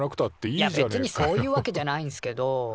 いやべつにそういうわけじゃないんすけど。